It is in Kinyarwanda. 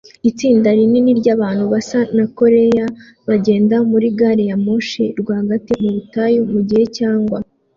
Itsinda rinini ryabantu basa na koreya bagenda muri gari ya moshi rwagati mu butayu mugihe cyagwa